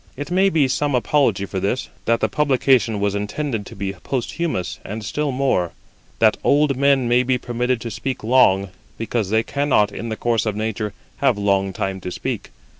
It maybe some apology for this, that the publication was intended to be posthumous, and still more, that old men may be permitted to speak long, because they cannot in the course of nature have long time to speak.